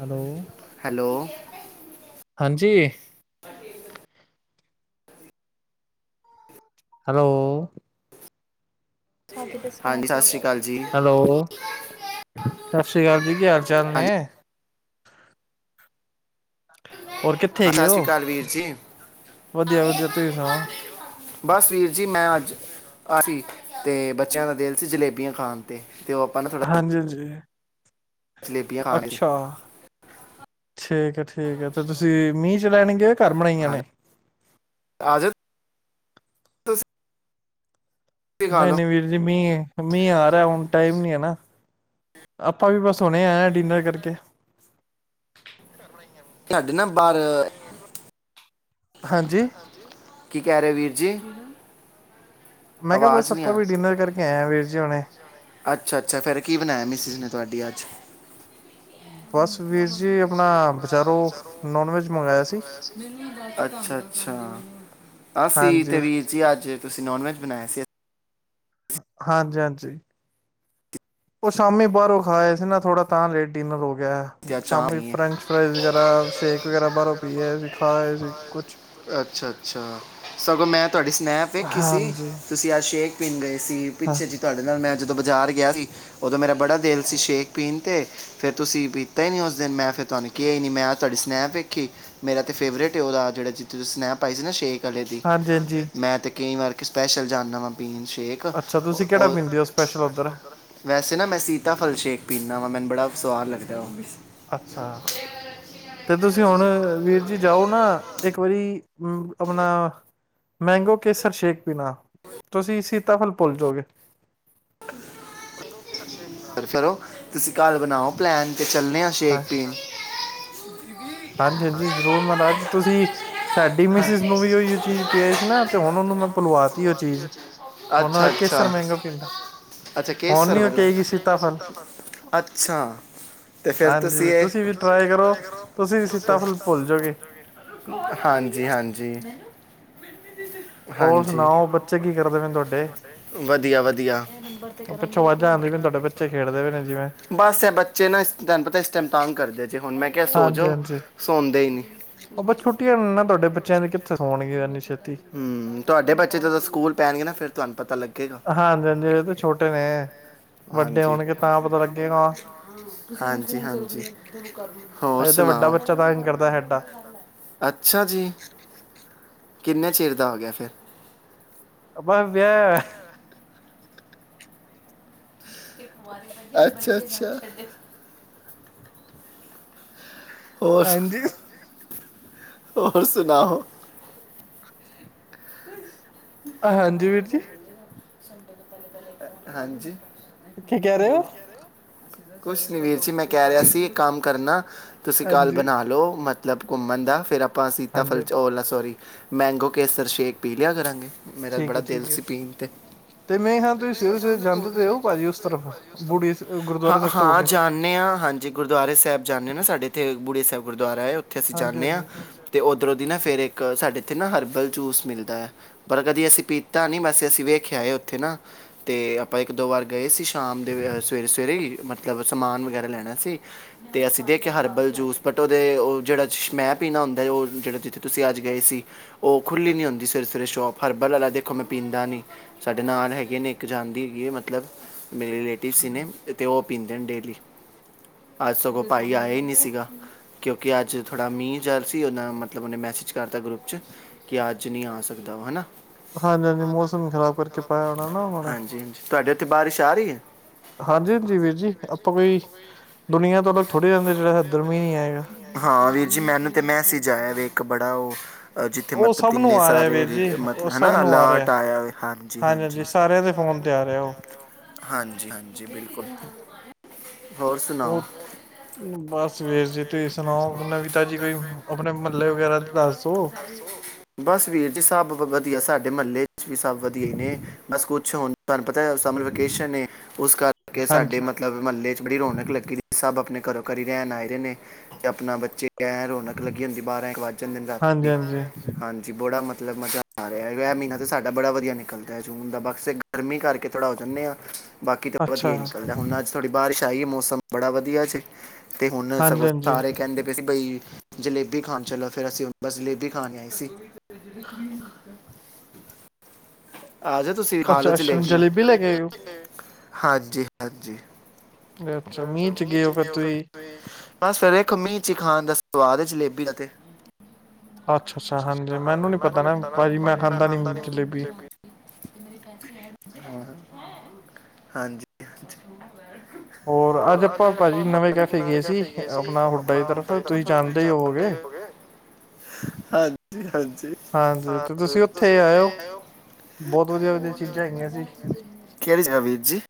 Hello, hello ਹਾਂਜੀ। ਬਾੀ hello. Hello. ਹਾਂਜੀ ਸਤਿ ਸ਼੍ਰੀ ਅਕਾਲ ਜੀ ਸਤਿ ਸ੍ਰੀ ਅਕਾਲ ਜੀ, ਕੀ ਹਾਲ ਚਾਲ ਨੇ? ਹਾਂਜੀ ਹੋਰ ਕਿੱਥੇ ਹਾਂ, ਹੈਗੇ ਸਤਿ ਓ, ਸ਼੍ਰੀ ਅਕਾਲ ਵੀਰ ਜੀ ਵਧੀਆ ਵਧੀਆ ਤੁਸੀਂ ਸੁਣਾਓ। ਬਸ ਵੀਰ ਜੀ ਮੈਂ ਅੱਜ [unintelligible] ਤੇ ਬੱਚਿਆਂ ਦਾ ਦਿਲ ਸੀ ਜਲੇਬੀਆਂ ਖਾਣ ਤੇ, ਤੇ ਉਹ ਆਪਾਂ ਨਾ ਥੋੜਾ ਹਾਂਜੀ-ਹਾਂਜੀ, ਜਲੇਬੀਆਂ ਖਾਣੇ ਸੀ ਅੱਛਾ। ਠੀਕ ਐ ਠੀਕ ਐ, ਤੇ ਤੁਸੀਂ ਮੀਂਹ ਚ ਲੈਣਗੇ ਘਰ ਬਣਾਈਯਾ ਨੇ? ਹਜ ਖਾ ਨਹੀਂ ਲਓ ਨਹੀਂ ਵੀਰ ਜੀ, ਮੀ ਐ। ਮੀ ਆ ਰਿਹਾ ਹੁਣ ਟਾਈਮ ਨੀ ਐ ਨਾ, ਆਪਾਂ ਵੀ ਬਸ ਹੁੰਣੇ ਆਏ ਹਾਂ ਡਿਨਰ ਕਰਕੇ। ਤੁਹਾਡੇ ਨਾ ਬਾਹਰ ਹਾਂਜੀ। ਕੀ ਕਹਿ ਰੇ ਓ ਵੀਰ ਜੀ? ਮੈਂ ਕਿਹਾ ਆਵਾਜ਼ ਬਸ ਨਹੀਂ ਆਪਾਂ ਆ ਵੀ ਡਿਨਰ ਕਰਕੇ ਆਏ ਆਂ ਵੀੇਰ ਜੀ ਹੋਣੇ। ਅੱਛਾ-ਅੱਛਾ, ਫੇਰ ਕੀ ਬਣਾਇਆ ਮਿਸਿਜ ਨੇ ਤੁਹਾਡੀ ਅੱਜ। ਬਸ ਵੀਰ ਜੀ ਆਪਣਾ ਬਜ਼ਾਰੋਂ ਨੋਨ ਵੈਜ ਮੰਗਵਾਆ ਸੀ। ਅੱਛਾ-ਅੱਛਾ, ਅਸੀ ਤੇ ਹਾਂਜੀ ਵੀਰ ਜੀ ਅੱਜ ਤੁਸੀਂ ਨੋਨ ਵੈਜ ਬਣਾਇਆ ਸੀ। ਹਾਂਜੀ-ਹਾਂਜੀ। ਉਹ ਸ਼ਾਮੀ ਬਾਹਰੋਂ ਖਾਏ ਸੀ ਨਾ ਥੋੜਾ ਤਾਂ ਲੇਟ ਡਿਨਰ ਹੋ ਗਿਆ। ਅਸੀਂ ਤੇ ਅੱਜ ਚਾਹ ਸ਼ਾਮੀ ਪੀਣੀ ਹੈ ਫਰੈਂਚ ਫਰਾਈਜ਼ ਵਗੈਰਾ, ਸ਼ੇਕ ਵਗੈਰਾ ਬਾਹਰੋਂ ਪੀ ਆ ਸੀ ਖਾਏ ਸੀ ਕੁਛ। ਅੱਛਾ-ਅੱਛਾ, ਸਗੋਂ ਮੈਂ ਤੁਹਾਡੀ ਸਨੈਪ ਵੇਖੀ ਸੀ। ਹਾਂਜੀ ਤੁਸੀਂ ਅਜ ਸ਼ੇਕ ਪੀਨ ਗਏ ਸੀ ਹਾਂ ਪਿੱਛੇ ਜ ਤੁਹਾਡੇ ਨਾਲ ਮੈਂ ਜਦੋਂ ਬਾਜ਼ਾਰ ਗਿਆ ਸੀ ਉਦੋਂ ਮੇਰਾ ਬੜਾ ਦਿਲ ਸੀ ਸ਼ੇਕ ਪੀਣ ਤੇ, ਫੇਰ ਤੁਸੀਂ ਪੀ ਤਾਂ ਨਹੀਂ ਉਸ ਦਿਨ, ਮੈਂ ਫੇਰ ਤੁਹਾਨੂੰ ਕਿਹਾ ਈ ਨਹੀਂ ਮੈਂ ਅਜ ਤੁਹਾਡੀ ਸਨੈਪ ਵੇਖੀ। ਮੇਰਾ ਤੇ ਫੇਵਰੇਟ ਏ ਉਹਦਾ ਜਹੜਾ ਜਿੱਥੇ ਤੁਸੀਂ ਸਨੈਪ ਪਾਈ ਸੀ ਨਾ ਸ਼ੇਕ। ਕਲੇ ਦੀ, ਹਾਂਜੀ ਹਾਂਜੀ ਮੈਂ ਤੇ ਕਈ ਵਾਰ ਸਪੈਸ਼ਲ ਜਾਂਨਾ ਵਾਂ ਪੀਨ ਸ਼ੇਕ। ਉਹ- ਅੱਛਾ, ਤੁਸੀਂ ਕਿਹੜਾ ਉਹ ਪੀਂਦੇ ਹੋ ਸਪੈਸ਼ਲ ਉੱਧਰ? ਵੈਸੇ ਨਾ ਮੈਂ ਸੀਤਾ ਫਲ ਸ਼ੇਕ ਪੀਂਦਾ ਵਾਂ, ਮੈਨੂੰ ਬੜਾ ਸੁਆਦ ਲੱਗਦਾ ਉਹਵੇ। ਅੱਛਾ, ਤੇ ਤੁਸੀਂ ਹੁਣ ਵੀਰ ਜੀ ਜਾਓ ਨਾ ਇੱਕ ਵਾਰੀ ਅਮ ਆਪਣਾ ਮੈਂਗੋ ਕੇਸਰ ਸ਼ੇਕ ਪੀਣਾ, ਤੁਸੀਂ ਸੀਤਾਫਲ ਭੁੱਲ ਜੋਗੇ। ਠੀਕ ਹੈ ਫ-ਫਿਰੋ ਤੁਸੀਂ ਕੱਲ ਬਣਾਓ ਪਲੈਨ ਤੇ ਚੱਲਣੇ ਹਾਂ ਸ਼ੇਕ ਪੀਣ। ਹਾਂਜੀ-ਹਾਂਜੀ, ਜ਼ਰੂਰ ਮਹਾਰਾਜ ਤੁਸੀਂ ਸਾਡੀ ਮਿਸਿਸ ਨੂੰ ਵੀ ਉਹੀ ਚੀਜ਼ ਪੀਆ ਸੀ ਨਾ ਤੇ ਹੁਣ ਉਹਨੂੰ ਮੈਂ ਭੁਲਵਾ ਤੀ ਉਹ ਚੀਜ਼। ਉਹ ਆ ਅੱਛਾ ਅੱਛਾ ਕੇਸਰ ਮਹਿੰਗਾ ਪੀਂਦਾ। ਅੱਛਾ ਹੁਣ ਕੇਸਰ ਨੀ ਵਾਲਾ, ਉਕੇਗੀ ਸੀਤਾਫਲ ਅੱਛਾ। ਤੇ ਫੇਰ ਤੁਸੀਂ ਹਾਂਜੀ ਇਹ ਵੀ ਟਰਾਈ ਕਰੋ ਤੁਸੀਂ ਵੀ ਸੀਤਾਫਲ ਭੁੱਲ ਜਾਓਗੇ ਹਾਂਜੀ-ਹਾਂਜੀ। ਹੋਰ ਸੁਣਾਓ ਬੱਚੇ ਕੀ ਕਰਦੇ ਪੇ ਣੇ ਤੁਹਾਡੇ? ਵਧੀਆ-ਵਧੀਆ, ਪਿੱਛੋਂ ਆਵਾਜ਼ਾਂ ਆਉਂਦੀ ਪਈਆਂ ਤੁਹਾਡੇ ਬੱਚੇ ਖੇਡਦੇ ਪਏ ਨੇ ਜਿਵੇਂ ਬੱਸ ਐ ਬ ਚੇ ਨਾ ਇਸ ਤੈਨੂੰ ਪਤਾ ਇਸ ਟਾਈਮ ਤਾਂਗ ਕਰਦੇ ਜੇ, ਹੁਣ ਮੈਂ ਕਿਹਾ ਸੋ ਹਾਂਜੀ ਜੋ, ਹਾਂਜੀ ਸੌਂਦੇ ਹੀ ਨਹੀਂ। ਉਹ ਪਰ ਛੁੱਟੀਆਂ ਨਾ ਤੁਹਾਡੇ ਬੱਚਿਆਂ ਦੀ, ਕਿੱਥੇ ਹੋਣਗੇ ਇੰਨੀ ਛੇਤੀ। ਹੁੰ, ਤੁਹਾਡੇ ਬੱਚੇ ਜਦੋਂ ਸਕੂਲ ਪੈਣਗੇ ਨਾ ਫੇਰ ਤੁਹਾਨੂੰ ਪਤਾ ਲੱਗੇ ਹਾਂਜੀ-ਹਾਂਜੀ, ਅਜ਼ੇ ਤੇ ਛੋਟੇ ਨੇ। ਵੱਡੇ ਹਾਂਜੀ, ਹੋਣਗੇ ਤਾਂ ਪਤਾ ਲੱਗੇਗਾ ਹਾਂਜੀ-ਹਾਂਜੀ। ਅੱਜੇ ਤਾਂ ਵੱਡਾ ਬੱਚਾ ਤੰਗ ਕਰਦਾ ਸਾਡਾ। ਅੱਛਾ ਜੀ। ਕਿੰਨੇ ਚਿਰ ਦਾ ਹੋ ਗਿਆ ਫੇਰ ਬਸ ਵਿਆਹਿਆ ਹੋ ਅੱਛਾ-ਅੱਛਾ। ਹੋਰ ਸੁ- ਹਾਂਜੀ। ਹੋਰ ਸੁਣਾਓ। ਹਾਂਜੀ ਵੀਰ ਜੀ ਹਾਂਜੀੋ। ਕੀ ਕਹਿ ਰਹੇ ਹੋ ਕੁਛ ਨੀ ਵੀਰ ਜੀ ਮੈਂ ਕਹਿ ਰਿਹਾ ਸੀ, ਇੱਕ ਕੰਮ ਕਰਨਾ ਤੁਸੀਂ ਕੱਲ ਹਾਂਜੀ ਬਣਾ ਲਓ ਮ ਮਤਲਬ ਘੁੰਮਣ ਦਾ ਫਿਰ ਆਪਾਂ ਸੀਤਾਫਲ ਹਾਂਜੀ ਚ ਓਲਾ ਸੋਰੀ ਮੈਂਗੋ ਕੇਸਰ ਸ਼ੇਕ ਪੀ ਲਿਆ ਕਰਾਂਗੇ। ਮੇਰਾ ਠੀਕ ਬੜਾ ਹੈ ਦਿਲ ਠੀਕ ਹੈ ਸੀ ਪੀਣ ਤੇ ਤੇ ਮੈਂ ਹਾਂ ਤੁਸੀਂ ਸਵੇਰੇ ਸਵੇਰੇ ਜਾਂਦੇ ਤੇ ਹੋ ਭਾਜੀ ਉਸ ਤਰਫ ਬੁੜੀ ਹ ਗੁਰਦੁਆਰਾ ਸਾਹਿਬ ਤੋਂ ਹੋ ਹਾਂ ਕੇ ਜਾਣ ਣੇ ਹਾਂ, ਹਾਂਜੀ ਗੁਰਦੁਆਰੇ ਸਾਹਿਬ ਜਾਂਦੇ ਆ ਨਾ ਸਾਡੇ ਇੱਥੇ ਬੁੜੇ ਸਾਹਿਬ ਗੁਰਦੁਆਰਾ ਐ, ਉੱਥੇ ਅਸੀਂ ਹਾਂਜੀ ਜਾਣੇਂ ਹਾਂਜੀ ਆ। ਅਤੇ ਉੱਧਰੋਂ ਦੀ ਨਾ ਫਿਰ ਇੱਕ ਸਾਡੇ ਇੱਥੇ ਨਾ ਹਰਬਲ ਜੂਸ ਮਿਲਦਾ ਏ ਪਰ ਕਦੀ ਅਸੀਂ ਪੀ ਤਾਂ ਨੀ ਵੈਸੇ ਅਸੀਂ ਵੇਖਿਆ ਏ ਉੱਥੇ ਨਾ ਤੇ ਆਪਾਂ ਇੱਕ ਦੋ ਵਾਰ ਗਏ ਸੀ। ਸ਼ਾਮ ਦੇ ਸਵੇਰੇ-ਸਵੇਰੇ ਹੀ ਮਤਲਬ ਸਮਾਨ ਵਗੈਰਾ ਲੈਣਾ ਸੀ। ਤੇ ਅਸੀਂ ਦੇਖਿਆ ਹਰਬਲ ਜੂਸ ਬਟ ਉਹਦੇ ਉਹ ਜਿਹੜਾ ਸ਼ ਮੈਂ ਪੀਣਾ ਹੁੰਦਾ ਉਹ ਜਿਹੜਾ ਜਿੱਥੇ ਤੁਸੀਂ ਅੱਜ ਗਏ ਸੀ। ਉਹ ਖੁੱਲ੍ਹੀ ਨਹੀਂ ਹੁੰਦੀ ਸਵੇਰੇ-ਸਵੇਰੇ ਸ਼ੋਪ ਹਰਬਲ ਵਾਲਾ ਦੇਖ ਅੱਖੋਂ ਮੈਂ ਪੀਂਦਾ ਨਹੀਂ, ਸਾਡੇ ਨਾਲ ਹੈਗੇ ਨੇ ਇੱਕ ਜਾਣ ਦੀ ਹੈਗੀ ਐ ਮਤਲਬ ਮੇਰੇ ਰਿਲੇਟਿਵ ਸੀ ਨੇ ਤੇ ਉਹ ਪੀਂਦੇ ਨੇ ਡੇਲੀ। ਅੱਜ ਸਗੋਂ ਭਾਈ ਆਇਆ ਹੀ ਨਹੀਂ ਸੀਗਾ। ਕਿਉਂਕਿ ਅੱਜ ਥੋੜ੍ਹਾ ਮੀਂਹਰ ਜਾਰੀ ਸੀ ਮਤਲਬ ਉਹਨੇ ਮੈਸੇਜ ਕਰਤਾ ਗਰੁੱਪ ਚ ਕਿ ਅੱਜ ਨੀ ਆ ਸਕਦਾ ਹਨਾ। ਹਾਂਜੀ-ਹਾਂਜੀ, ਮੌਸਮ ਖ਼ਰਾਬ ਕਰਕੇ ਪਾਇਆ ਹੋਣਾ ਨਾ ਉਹ ਨੇ। ਹਾਂਜੀ ਹਾਂਜੀ ਤੁਹਾਡੇ ਇੱਥੇ ਬਾਰਿਸ਼ ਆ ਰਹੀ ਐ। ਹਾਂਜੀ-ਹਾਂਜੀ ਵੀਰ ਜੀ, ਆਪਾਂ ਕੋਈ ਦੁਨੀਆਂ ਤੋਂ ਅਲੱਗ ਥੋੜੀ ਰਹਿਨੇ ਆ ਜਿਹੜਾ ਇਧਰ ਮੀਂਹ ਨੀ ਆਏਗਾ। ਹਾਂ ਵੀਰ ਜੀ ਮੈਨੂੰ ਤਾਂ ਮੈਸੇਜ ਆਇਆ ਵੀ ਇੱਕ ਬੜਾ ਉਹ ਜਿੱਥੇ ਉਹ ਮਤਲਬ ਸਭ ਨੂੰ ਕਿੰਨੇ ਆ ਰਿਹਾ ਸਾਰੇ ਵੀਰ ਜੀ ਉਹ ਮਤਲਬ ਹੈ ਨਾ ਸਭ ਨੂੰ ਆ ਰਿਹਾ ਅਲਰਟ ਆਇਆ ਦੇ ਹਾਂਜੀ ਹਾਂਜੀ-ਹਾਂਜੀ। ਹਾਂਜੀ ਸਾਰਿਆਂ ਦੇ ਫੋਨ ਤੇ ਆ ਰਿਹਾ ਉਹ। ਹਾਂਜੀ-ਹਾਂਜੀ, ਬਿਲਕੁਲ ਹੋਰ ਸੁਣਾਓ। ਉਹ ਬਸ ਵੀਰ ਜੀ ਤੁਸੀਂ ਸੁਣਾਓ ਨਵੀ ਤਾਜੀ ਕੋਈ ਆਪਣੇ ਮਹੱਲੇ ਵਗੈਰਾ ਦੱਸੋ। ਬਸ ਵੀਰ ਜੀ ਸਭ ਵਧੀਆ, ਸਾਡੇ ਮਹੱਲੇ ਵਿੱਚ ਵੀ ਸਭ ਵਧੀਆ ਨੇ ਬਸ ਕੁਛ ਹੋਣ। ਤੁਹਾਨੂੰ ਪਤਾ ਸਮਰ ਵੈਕੇਸ਼ਨ ਨੇ, ਉਸ ਕਰਕੇ ਸਾਡੇ ਹਾਂਜੀ ਮਤ ਮਤਲਬ ਮਹੱਲੇ ਚ ਬੜੀ ਰੌਣਕ ਲੱਗੀ, ਸਭ ਆਪਣੇ ਘਰੋਂ ਘਰੀ ਰਹਿਣ ਆਏ ਦੇ ਨੇ, ਆਪਣਾ ਬੱਚੇ ਰੌਣਕ ਲਗੀ ਹੁੰਦੀ ਏ, ਬਾਂਰਾਂ-ਇਕ ਵਜ ਤਿੰਨ ਦਿਨ ਹਾਂਜੀ ਰਾਤੀ ਹਾਂਜੀ ਹਾਂਜੀ, ਬੋੜਾ ਮਤਲਬ ਮਜ਼ਾ ਆ ਰਿਹਾ। ਇਹ ਮਹੀਨਾ ਤਾਂ ਸਾਡਾ ਬੜਾ ਵਧੀਆ ਨਿਕਲਦਾ ਐ ਜੂਨ ਦਾ, ਬਸ ਇਕ ਗਰਮੀ ਕਰਕੇ ਥੋੜ੍ਹਾ ਹੋ ਜਾਂਨੇ ਆ, ਬਾਕੀ ਤਾਂ ਅੱਛਾ ਵਧੀਆ ਹੀ ਨਿਕਲਦਾ ਹੁਣ ਅੱਜ਼ ਥੋੜੀ ਬਾਰਿਸ਼ ਆਈ ਏ, ਮੌਸਮ ਬੜਾ ਵਧੀਆ ਸੀ, ਤੇ ਹੁਣ ਹਾਂਜੀ ਸਗੋਂ ਹਾਂਜੀ ਸਾਰੇ ਕਹਿੰਦੇ ਬਈ ਜਲੇਬੀ ਖਾਨ ਚਲੋ ਫੇਰ ਅਸੀਂ ਬਸ ਜਲੇਬੀ ਖਾਨ ਆਏ ਸੀ। ਆਜੋ ਤੁਸੀਂ ਖਾਲੋ ਅੱਛਾ ਅੱਛਾ ਜਲੇਬੀਆਂ, ਜਲੇਬੀ ਲੈ ਕੇ ਗਏ ਹਾਂਜੀ-ਹਾਂਜੀ। ਅੱਛਾ, ਮੀਂਹ ਚ ਗਏ ਓ ਫਿਰ। ਤੁਸੀਂ ਬਸ ਫਿਰ ਵੇਖੋ ਮੀਂਹ ਚ ਈ ਖਾਨ ਦਾ ਸਵਾਦ ਏ ਜਲੇਬੀ ਦਾ ਤੇ। ਅੱਛਾ-ਅੱਛਾ ਹਾਂਜੀ, ਮੈਨੂੰ ਨੀ ਪਤਾ ਨਾ ਭਾਜੀ ਮੈਂ ਖਾਂਦਾ ਨੀ ਜਲੇਬੀ। ਹਾਂਜੀ-ਹਾਂਜੀ। ਹੋਰ ਅੱਜ ਆਪਾਂ ਭਾਜੀ ਨਵੇਂ ਕੈਫੇ ਗਏ ਸੀ ਹੁੱਡਾ ਆਪਣਾ ਦੀ ਤਰਫ ਤੁਸੀਂ ਜਾਣਦੇ ਹੀ ਹੋਵੋਗੇ। [unintelligible] ਹਾਂਜੀ-ਹਾਂਜੀ। ਹਾਂਜੀ ਤੇ ਤੁਸੀਂ ਉੱਥੇ ਆਇਓ ਬਹੁਤ ਵਧੀਆ-ਵਧੀਆ ਚੀਜ਼ਾਂ ਹੈਗੀਆਂ ਸੀ। ਕਿਹੜੀ ਜਗਾਂ ਵੀਰ ਜੀ।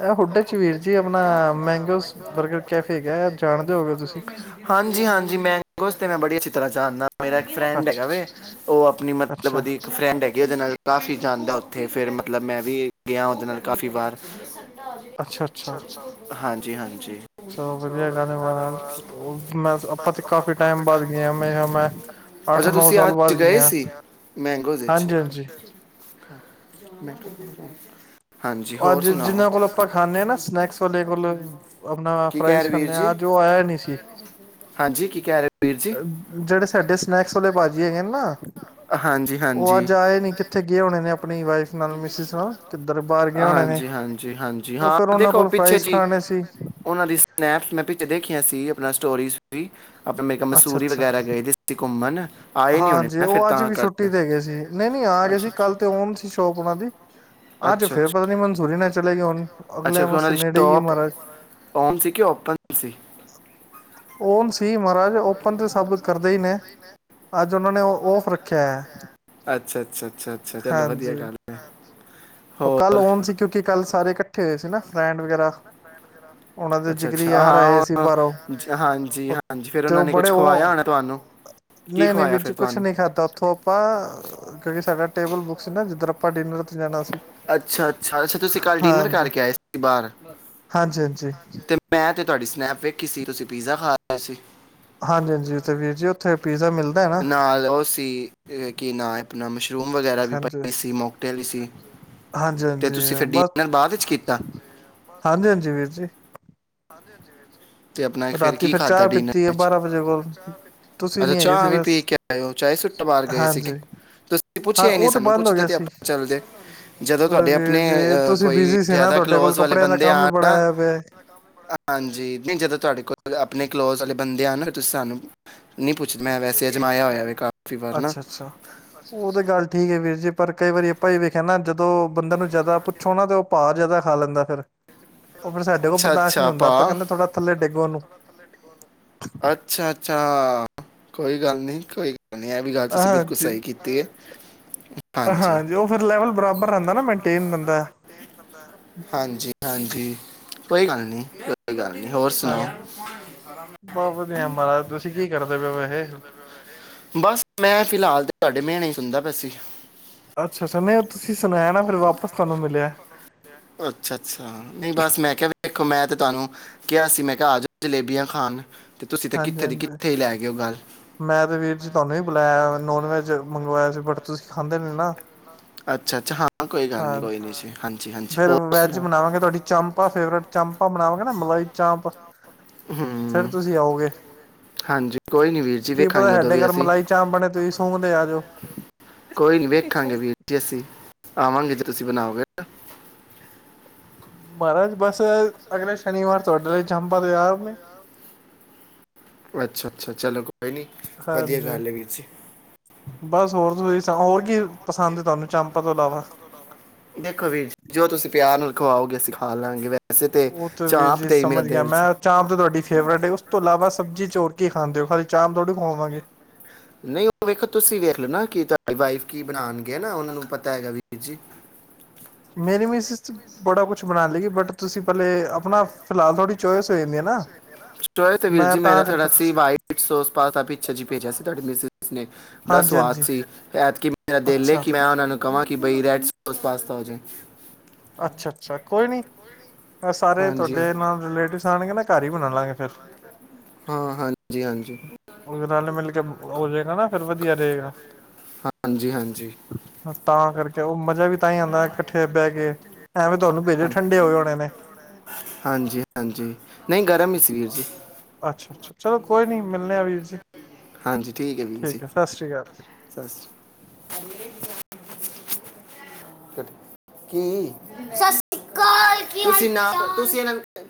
ਇਹ ਹੁਡੇ ਚ ਵੀਰ ਜੀ ਆਪਣਾ ਮੈਂਗੋਸ ਬਰਗਰ ਕੈਫੇ ਹੈਗਾ ਜਾਣਦੇ ਹੋਗੇ ਤੁਸੀਂ ਹਾਂਜੀ-ਹਾਂਜੀ, ਮੈਂਗੋਸ ਤੇ ਮੈਂ ਬੜੀ ਅੱਛ ਤਰ੍ਹਾਂ ਜਾਣਾ, ਮੇਰਾ ਇੱਕ ਫਰੈਂਡ ਹੈਗਾ ਵੇ ਅੱਛਾ-ਅੱਛਾ, ਉਹ ਆਪਣੀ ਮਤਲਬ ਉਹਦੀ ਫਰੈਂਡ ਹੈਗੀ, ਉਹਦੇ ਨਾਲ ਕਾਫੀ ਜਾਂਦਾ ਓਥੇ ਫਿਰ ਮਤਲਬ ਮੈਂ ਵੀ ਗਿਆ ਉਹਦੇ ਨਾਲ ਕਾਫੀ ਵਾਰ। ਅੱਛਾ-ਅੱਛਾ-ਅੱਛਾ। ਹਾਂਜੀ-ਹਾਂਜੀ। ਚਲੋ ਵਧੀਆ ਗੱਲ ਐ ਮਹਾਰਾਜ, ਮੈਂ ਆਪਾਂ ਤੇ ਕਾਫੀ ਟਾਈਮ ਬਾਦ ਗਿਆ ਮੇਰੇ ਖਿਆਲ ਮੈਂ ਅੱਠ ਅੱਛਾ ਨੌ ਤੁਸੀਂ ਸਾਲ ਅੱਜ ਬਾਅਦ ਗਏ ਗਿਆ ਸੀ, ਮੈਂਗੋਸ ਵਿੱਚ। [inaudible] ਹਾਂਜੀ-ਹਾਂਜੀ। ਹੋਰ ਅੱਜ ਸੁਣਾਓ ਜਿਨਾਂ ਕੋਲ ਆਪਾਂ ਖਾਂਨੇ ਆਂ ਨਾ ਸਨੈਕਸ ਵਾਲੇ ਕੋਲੋਂ ਆਪਨਾ ਕੀ ਕਹਿ ਰਹੇ ਫਰਾਈਜ਼ ਵੀਰ ਖਾਨੇ ਜੀ ਆ, ਅੱਜ ਉਹ ਆਇਆ ਨੀ ਸੀ। ਹਾਂਜੀ ਕੀ ਕਹਿ ਰੇ? ਵੀਰ ਜੀ, ਜਿਹੜੇ ਸਾਡੇ ਸਨੈਕਸ ਵਾਲੇ ਭਾਜੀ ਹੈਗੇ ਨੇ ਨਾ ਉਹ ਹਾਂਜੀ-ਹਾਂਜੀ। ਅੱਜ ਆਏ ਨੀ ਕਿੱਥੇ ਗਏ ਹੋਨੇ ਨੇ ਆਪਨੀ ਵਾਈਫ ਨਾਲ, ਮਿਸਿਸ ਨਾਲ ਕਿੱਧਰ ਬਾਰ ਗਏ ਹੋਨੇ ਨੇ। ਹਾਂਜੀ-ਹਾਂ ਓ ਫਿਰ ਓਨਾਂ ਕੋਲੋਂ ਫਰਾਾਈਜ਼ ਖਾਨੇ ਸੀ। ਓਨਾਂ ਦੀ ਸਨੈਪਸ ਮੈਂ ਪਿੱਛੇ ਦੇਖੀਆਂ ਸੀ, ਆਪਨਾ ਸਟੋਰੀਜ ਸਟੁਰੀ ਮੈ ਕਿਹਾ ਅੱਛਾ ਮਸੂਰੀ ਅੱਛਾ ਵਗੈਰਾ ਗਏ ਦੇ ਤੇ ਘੁੰਮਨ। ਹਾਂਜੀ ਓ ਅੱਜ ਵੀ ਛੁੱਟੀ ਤੇ ਹੈਗੇ ਸੀ, ਨਈ-ਨਈ ਆ ਗਏ ਸੀ ਅੱਛਾ ਕੱਲ ਓਨ ਸੀ ਸ਼ੋਪ ਉਹਨਾਂ ਦੀ। ਅੱਛਾ ਅੱਜ ਅੱਛਾ ਫੇਰ ਪਤਾ ਨੀ ਮਨਸੂਰੀ ਨਾ ਚਲੇ ਗਏ ਹੋਨ। ਅੱਛਾ ਫੇਰ ਓਨਾਂ ਦੀ ਸ਼ੋਪ ਓਨ ਸੀ, ਕਿ ਓਪਨ ਸੀ? ਓਨ ਸੀ ਮਹਾਰਾਜ, ਓਪਨ ਤੇ ਸਭ ਕਰਦੇ ਹੀ ਨੇ। ਅੱਜ ਉਹਨਾਂ ਨੇ ਔਫ ਰੱਖਿਆ ਐ। ਅੱਛਾ, ਅੱਛਾ, ਅੱਛਾ, ਅੱਛਾ ਚਲੋ ਵਧੀਆ ਗੱਲ ਹੈ ਉਹ ਕੱਲ ਹੋਰ ਓਨ ਸੀ ਕਿਉਂਕਿ ਕੱਲ ਸਾਰੇ ਇਕੱਠੇ ਹੋਏ ਸੀ ਨਾ ਫਰੈਂਡ ਵਗੈਰਾ। ਓਨਾਂ ਦੇ ਅੱਛਾ ਜਿਗਰੀ ਅੱਛਾ ਯਾਰ ਆਏ ਹਾਂ ਸੀ ਉਹ- ਬਾਰੋ, ਜ- ਹਾਂਜੀ ਹਾਂਜੀ ਫਿਰ ਤੇ ਉਹਨਾਂ ਨੇ ਬੜੇ ਕੁਝ ਖਵਾਇਆ ਉਹ ਹੋਣਾ ਤੁਹਾਨੂੰ ਕੀ ਨਈ-ਨਈ ਖਵਾਇਆ ਵੀਰ ਜੀ, ਫਿਰ ਕੁੱਛ ਤੁਹਾਨੂੰ ਨੀ ਖਾਧਾ। ਓ ਆਪਾਂ ਕਿਉਂਕਿ ਸਾਡਾ ਟੇਬਲ ਬੁੱਕ ਸੀ ਨਾ, ਜਿੱਧਨ ਆਪਾਂ ਡਿਨਰ ਤੇ ਜਾਨਾ ਸੀ। ਅੱਛਾ, ਅੱਛਾ, ਅੱਛਾ ਤੁਸੀਂ ਕੱਲ ਡਿਨਰ ਹਾਂਜੀ ਕਰਕੇ ਆਏ ਸੀ ਬਾਰ। ਹਾਂਜੀ ਹਾਂਜੀ ਮੈਂ ਤੇ ਤੁਹਾਡੀ ਸਨੈਪ ਵੇਖੀ ਸੀ, ਤੁਸੀਂ ਪੀਜ਼ਾ ਖਾ ਰਹੇ ਸੀ। ਹਾਂਜੀ-ਹਾਂਜੀ, ਤੇ ਵੀਰ ਜੀ ਓ ਓਥੇ ਪੀਜ਼ਾ ਮਿਲਦਾ ਐ ਨਾਲ ਓ ਸੀ ਕੀ ਨਾਮ ਏ ਆਪਨਾ, ਮਸ਼ਰੂਮ ਵਗੈਰਾ ਵੀ ਹਾਂਜੀ ਪਏ ਸੀ, ਮੋਕਟੇਲ ਸੀ। ਹਾਂਜੀ ਤੇ ਹਾਂਜੀ ਤੁਸੀਂ ਫੇਰ ਡਿਨਰ ਬਾਦ ਚ ਕੀਤਾ? ਹਾਂਜੀ-ਹਾਂਜੀ ਵੀਰ ਜੀ। ਤੇ ਆਪਨਾ ਇੱਕ ਫੇਰ ਰਾਤੀ ਕੀ ਫਿਰ ਖਾਧਾ ਚਾਹ ਪੀਤੀ ਹੈ ਡਿਨਰ ਚ? ਬਾਰਾਂ ਵਜੇ ਕੋਲ ਤੁਸੀਂ ਅੱਛਾ ਨੀ ਹੈਗੇ ਸੀ ਚਾਹ ਵੀ ਬਸ ਪੀ ਕੇ ਆਏ ਓ, ਚਾਯ ਸੁੱਟਾ ਬਾਰ ਗਏ ਸੀ ਕੇ? ਹਾਂਜੀ ਹਾਂ ਪੁੱਛਿਆ ਹੀ ਨੀ ਉਹ ਤੇ ਸਾਨੂੰ, ਬੰਦ ਹੋ ਪੁੱਛਦੇ ਗਿਆ ਤੇ ਸੀ ਆਪਾਂ ਚੱਲਦੇ। ਜਦੋਂ ਅਰੇ ਤੁਹਾਡੇ ਵੀਰ ਆਪਣੇ ਜੀ ਅ ਤੁਸੀਂ ਕੋਈ ਬਿਜੀ ਸੀ ਨਾ ਜਾਦਾ ਤੁਹਾਡੇ ਕੋਲ ਕਲੋਜ਼ ਵਾਲੇ ਕੱਪੜਿਆਂ ਦਾ ਬੰਦੇ ਕੰਮ ਵੀ ਆਨ ਬੜਾ ਨਾ ਆਇਆ ਪਿਆ ਹਾਂਜੀ ਨਹੀਂ ਜਦੋਂ ਤੁਹਾਡੇ ਕੋਲ ਆਪਨੇ ਕਲੋਜ਼ ਵਾਲੇ ਬੰਦੇ ਆਨ ਤੁਸੀਂ ਸਾਨੂੰ ਨਹੀਂ ਪੁੱਛ ਮੈਂ ਵੈਸੇ ਜਮਾਇਆ ਹੋਇਆ ਕਰ ਅੱਛਾ ਅੱਛਾ ਉਹ ਤਾਂ ਗੱਲ ਠੀਕ ਹੈ ਵੀਰ ਜੀ ਪਰ ਕਈ ਵਾਰੀ ਆਪਾਂ ਹੀ ਵੇਖਿਆ ਨਾ ਜਦੋਂ ਬੰਦਾ ਨੂੰ ਜ਼ਿਆਦਾ ਪੁੱਛੋ ਨਾ ਤੋਂ ਭਾ ਜਾਦਾ ਖਾ ਲੈਂਦਾ ਫੇਰ, ਓ ਫੇਰ ਸਾਡੇ ਕੋਲ ਅੱਛਾ ਬਰਦਾਸ਼ਤ ਨਹੀਂ ਅੱਛਾ ਹੁੰਦਾ ਆਪਾਂ ਪਾ ਕਹਿੰਦੇ ਥੋੜਾ ਥੱਲੇ ਡੇਗੋ ਓਨੁ। ਅੱਛਾ, ਅੱਛਾ ਕੋਈ ਗੱਲ ਨੀ, ਕੋਈ ਗੱਲ ਨੀ, ਇਹ ਵੀ ਗੱਲ ਤੁਸੀਂ ਬਿਲਕੁਲ ਹਾਂਜੀ ਸਹੀ ਕੀ ਤੀ ਏ। ਹਾਂਜੀ ਓ ਫਿਰ ਲੈਵਲ ਬਰਾਬਰ ਰਹਿੰਦਾ ਨਾ ਮੇਨਟੇਨ ਰਹਿੰਦਾ। ਹਾਂਜੀ-ਹਾਂਜੀ, ਕੋਈ ਗੱਲ ਨੀ। ਕੋਈ ਗੱਲ ਨੀ, ਹੋਰ ਸੁਣਾਓ। ਬਹ ਵਧੀਆ ਮਹਾਰਾਜ, ਤੁਸੀਂ ਕੀ ਕਰਦੇ ਪਏ ਹੋ ਵੈਸੇ? ਬਸ ਮੈਂ ਫਿਲਹਾਲ ਤੇ ਤੁਹਾਡੇ ਮੇਣੇ ਈ ਸੁਨਦਾ ਪਿਆ ਸੀ। ਅੱਛਾ ਅੱਛਾ ਨਹੀਂ ਤੁਸੀਂ ਸੁਣਾਇਆ ਨਾ ਫਿਰ ਵਾਪਸ ਤੁਹਾਨੂੰ ਮਿਲਿਆ ਅੱਛਾ ਅੱਛਾ ਨਹੀਂ ਬਸ ਮੈਂ ਕਿਹਾ ਵੇਖੋ ਮੈਂ ਤੇ ਤੁਹਾਨੂੰ ਕਿਹਾ ਸੀ ਮੈਂ ਕਿਹਾ ਆ ਜਾਓ ਜਲੇਬੀਆਂ ਖਾਣ ਤੁਸੀਂ ਤੇ ਹਾਂਜੀ ਕਿੱਥੇ ਦੀ ਹਾਂਜੀ ਕਿੱਥੇ ਹੀ ਲੈ ਗਏ ਹੋ ਗੱਲ ਮੈਂ ਤੇ ਵੀਰ ਜੀ ਤੁਹਾਨੂੰ ਹੀ ਬੁਲਾਇਆ ਨੋਨ ਵੈਜ ਮੰਗਵਾਇਆ ਸੀ ਬਟ ਤੁਸੀਂ ਖਾਂਦੇ ਨੇ ਨਾ ਅੱਛਾ ਅੱਛਾ ਹਾਂ ਕੋਈ ਗੱਲ ਨਹੀਂ ਹਾਂਜੀ ਕੋਈ ਨਹੀਂ ਜੀ ਹਾਂਜੀ ਹਾਂਜੀ ਫਿਰ ਹੋਰ ਵੈਜ ਸੁਣਾਓ ਬਣਾਵਾਂਗੇ ਤੁਹਾਡੀ ਚੰਪਾ ਫੇਵਰੇਟ ਚਪਾਂ ਬਣਾਵਾਂਗੇ ਨਾ ਮਲਾਈ ਚਾਂਪ ਫਿਰ ਹੂੰ ਤੁਸੀਂ ਆਓਗੇ ਹਾਂਜੀ ਕੋਈ ਨੀ ਵੀਰ ਜੀ ਕੀ ਪਤਾ ਵੇਖਾਂਗੇ ਉਦੋਂ ਸਾਡੇ ਵੀ ਘਰ ਅਸੀਂ ਮਲਾਈ ਚਾਂਪ ਬਣੇ ਤੁਸੀਂ ਸੁੰਘਦੇ ਆ ਜਾਓ ਕੋਈ ਨਹੀਂ ਵੇਖਾਂਗੇ ਵੀਰ ਜੀ ਅਸੀਂ ਆਵਾਂਗੇ ਜੇ ਤੁਸੀਂ ਬਣਾਓਗੇ ਮਹਾਰਾਜ ਬਸ ਅਗਲੇ ਸ਼ਨੀਵਾਰ ਤੁਹਾਡੇ ਲਈ ਚਾਂਪ ਤੇ ਯਾਰ ਨੇ ਅੱਛਾ ਅੱਛਾ ਚਲੋ ਕੋਈ ਨਹੀਂ ਵਧੀਆ ਹਾਂਜੀ ਗੱਲ ਹੈ ਵੀਰ ਜੀ ਬਸ ਹੋਰ ਤੁਸੀਂ ਹੋਰ ਕੀ ਪਸੰਦ ਤੁਹਾਨੂੰ ਚਾਂਪ ਤੋਂ ਇਲਾਵਾ ਦੇਖੋ ਵੀਰ ਜੀ ਜੋ ਤੁਸੀਂ ਪਿਆਰ ਨਾਲ ਖਵਾਓਗੇ ਅਸੀਂ ਖਾ ਲਾਂਗੇ ਵੈਸੇ ਤੇ ਉਹ ਵੀਰ ਚਾਂਪ ਜੀ ਤੇ ਮੇਰਾ ਸਮਝ ਗਿਆ ਦਿਲ ਸੀ ਮੈਂ ਚਾਂਪ ਤਾਂ ਤੁਹਾਡੀ ਫੇਵਰੇਟ ਹੈ ਉਸ ਤੋਂ ਇਲਾਵਾ ਸਬਜ਼ੀ ਚੋਰ ਕੇ ਖਾਂਦੇ ਹੋ ਖਾਲੀ ਚਾਂਪ ਥੋੜੀ ਖਵਾਵਾਂਗੇ ਨਹੀਂ ਉਹ ਵੇਖੋ ਤੁਸੀਂ ਵੇਖ ਲੋ ਨਾ ਕਿ ਤੁਹਾਡੀ ਵਾਈਫ ਕੀ ਬਣਾਉਣਗੇ ਨਾ ਉਹਨਾ ਨੂੰ ਪਤਾ ਹੈਗਾ ਵੀਰ ਜੀ ਮੇਰੀ ਵੀ ਮਿਸ ਬੜਾ ਕੁਛ ਬਣਾ ਲੂਗੀ ਬਟ ਤੁਸੀਂ ਪਹਿਲੇ ਆਪਣਾ ਫਿਲਹਾਲ ਥੋੜੀ ਚੋਇਸ ਹੋ ਨੇ ਨਾ ਸਏ ਤੇ ਵੀਰ ਮੈਂ ਜੀ ਮੇਰਾ ਤਾਂ ਕਰਕੇ ਥੋੜਾ ਪੁੱਛ ਵਾਈਟ ਸੋਸ ਪਾਸਤਾ ਭੇਜਿਆ ਸੀਗਾ ਮਿਸਿਸ ਨੇ ਬੜਾ ਹਾਂਜੀ ਸਵਾਦ ਹਾਂਜੀ ਸੀ ਐਤਕੀ ਮੇਰਾ ਦਿਲ ਹੈ ਅੱਛਾ ਕਿ ਮੈਂ ਉਹਨਾਂ ਨੂੰ ਕਵਾਂ ਕਿ ਬਾਈ ਰੈਡ ਸੋਸ ਪਾਸਤਾ ਹੋ ਜਾਵੇ ਅੱਛਾ ਅੱਛਾ ਕੋਈ ਨਹੀਂ ਸਾਰੇ ਹਾਂਜੀ ਤੁਹਾਡੇ ਹਾਂ ਨਾਲ ਰਿਲੇਟਿਵਸ ਆਉਣਗੇ ਨਾ ਘਰ ਹੀ ਬਣਾ ਲਾਂਗੇ ਫਿਰ ਹਾਂ ਹਾਂਜੀ ਹਾਂਜੀ ਉਹ ਨਾਲ ਮਿਲ ਕੇ ਹੋ ਜਾਏਗਾ ਨਾ ਫਿਰ ਵਧੀਆ ਰਹੇਗਾ ਹਾਂਜੀ ਹਾਂਜੀ ਤਾਂ ਕਰਕੇ ਉਹ ਮਜ਼ਾ ਵੀ ਤਾਂ ਹੀ ਆਉਂਦਾ ਇਕੱਠੇ ਬਹਿ ਕੇ ਐਵੇਂ ਤੁਹਾਨੂੰ ਭੇਜੇ ਠੰਡੇ ਹੋਏ ਹੋਣੇ ਨੇ ਹਾਂਜੀ- ਹਾਂਜੀ ਨਹੀ ਗਰਮ ਹੀ ਸੀ ਵੀਰ ਜੀ ਅੱਛਾ- ਅੱਛਾ ਚਲੋ ਕੋਈ ਨਹੀ ਮਿਲਣੇ ਆ ਵੀਰ ਜੀ ਹਾਂਜੀ ਵੀਰ ਜੀ ਠੀਕ ਹੈ। ਸਤਿ ਸ਼੍ਰੀ ਅਕਾਲ ਜੀ ਸਤਿ ਸ੍ਰੀ ਅਕਾਲ- ਕੀ ਸਤਿ ਸ੍ਰੀ ਅਕਾਲ ਕੀ ਹਾਲ ਚਾਲ